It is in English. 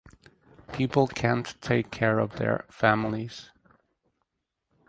People can’t take care of their families.